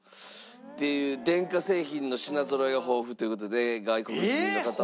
電化製品の品ぞろえが豊富という事で外国人の方は。